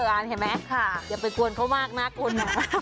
อ่านเห็นมั้ยอย่าไปกลัวเขามากนะกลุ่น